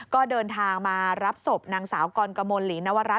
ก็เดินทางมารับศพนางสาวกรกมลหลีนวรัฐ